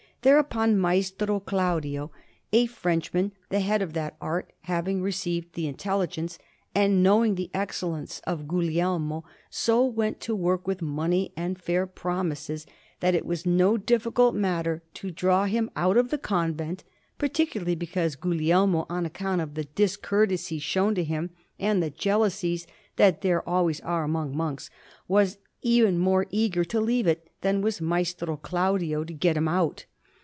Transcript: Thereupon Maestro Claudio, a Frenchman, the head of that art, having received the intelligence, and knowing the excellence of Guglielmo, so went to work with money and fair promises, that it was no difficult matter to draw him out of the convent, particularly because Guglielmo, on account of the discourtesy shown to him and the jealousies that there always are among monks, was even more eager to leave it than was Maestro Claudio to get him out.